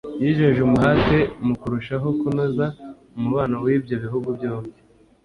yijeje umuhate mu kurushaho kunoza umubano w’ibyo bihugu byombi